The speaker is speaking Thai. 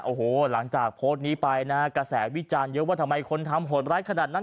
โอ้โหหลังจากโพสต์นี้ไปนะกระแสวิจารณ์เยอะว่าทำไมคนทำโหดร้ายขนาดนั้น